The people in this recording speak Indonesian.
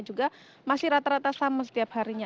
juga masih rata rata sama setiap harinya